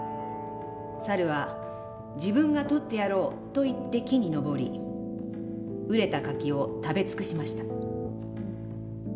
猿は『自分が取ってやろう』と言って木に登り熟れた柿を食べ尽くしました。